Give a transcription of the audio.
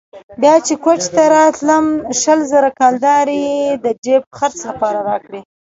بيا چې کوټې ته راتلم شل زره کلدارې يې د جېب خرڅ لپاره راکړې.